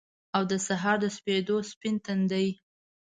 او دسهار دسپیدو ، سپین تندی